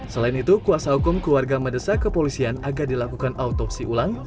selain itu kuasa hukum keluarga mendesak kepolisian agar dilakukan autopsi ulang